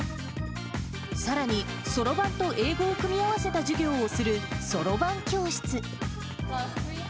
さらにそろばんと英語を組み合わせた授業をするそろばん教室。